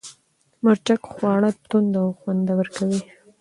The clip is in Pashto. مرچک خواړه توند او خوندور کوي.